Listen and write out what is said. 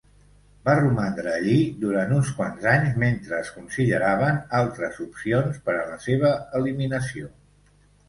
Va romandre allí durant uns quants anys mentre es consideraven altres opcions per a la seva eliminació.